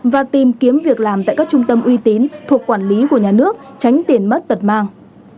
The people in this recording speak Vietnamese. và tìm kiếm việc làm tại các trung tâm uy tín thuộc quản lý của nhà nước tránh tiền mất tật mang